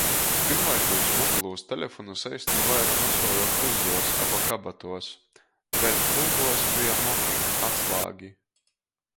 Tymlaikūs mobilūs teleponus eistyn vaira nosuoja kulduos aba kabatuos. Vēļ kulduos beja moki, atslāgi.